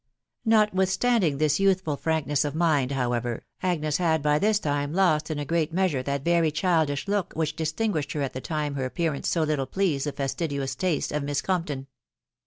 Notwithstanding this youthful frankness of mind, however, Agnes had by this time lost in a great measure that very childish look which distinguished her at the time her appear ance so little pleased the fastidious taste of Miss Compton.